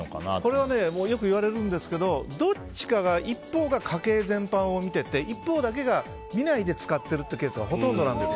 これはよくいわれるんですけどどっちか一方が家計全般を見てて一方だけが見ないで使っているというケースがほとんどなんです。